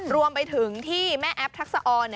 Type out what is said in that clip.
รวมไปถึงที่แม่แอฟทักษะออน